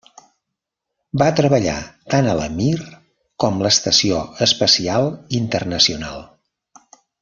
Va treballar tant a la Mir com l'Estació Espacial Internacional.